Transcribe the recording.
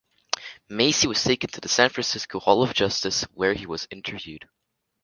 Massie was taken to the San Francisco Hall of Justice where he was interviewed.